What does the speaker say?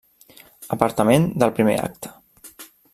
Apartament del primer acte.